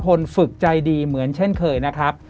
คนฝึกใจดีเหมือนเช่นเคยนะครับ